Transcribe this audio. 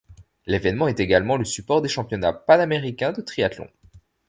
L'événement est également le support des championnats panaméricains de triathlon.